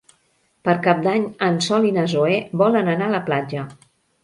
Per Cap d'Any en Sol i na Zoè volen anar a la platja.